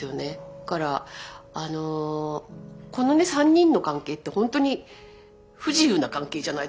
だからあのこのね３人の関係って本当に不自由な関係じゃないですかはたから見ると。